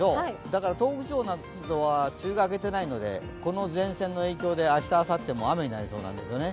だから東北地方などは梅雨が明けていないのでこの前線の影響で明日、あさっても雨になりそうなんですよね。